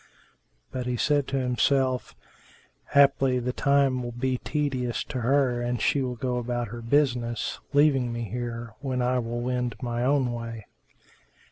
But he said to himself, "Haply the time will be tedious to her and she will go about her business, leaving me here, when I will wend my own way."